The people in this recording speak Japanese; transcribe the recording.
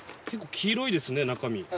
黄色いですね中身。